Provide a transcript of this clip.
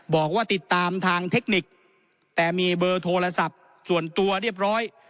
บอกว่าติดตามทางเทคนิคแต่มีเบอร์โทรศัพท์ส่วนตัวเรียบร้อย